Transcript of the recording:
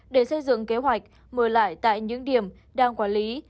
để xây dựng kế hoạch mưa lại tại những điểm đang quản lý